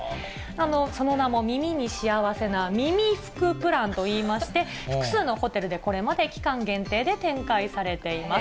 その名も耳に幸せな耳福プランといいまして、複数のホテルで、これまで期間限定で展開されています。